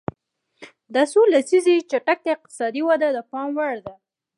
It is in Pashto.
دا څو لسیزې چټکه اقتصادي وده د پام وړ ده.